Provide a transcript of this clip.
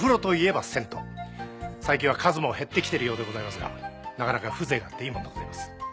最近は数も減ってきてるようでございますがなかなか風情があっていいもんでございます。